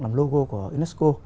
làm logo của unesco